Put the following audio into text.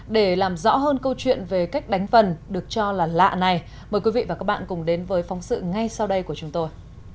để làm rõ hơn câu chuyện về cách đánh vần được cho là lạ này mời quý vị và các bạn cùng đến với phóng sự ngay sau đây của chúng tôi